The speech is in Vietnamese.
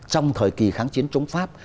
trong thời kỳ kháng chiến chống pháp